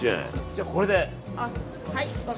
じゃあ、これで。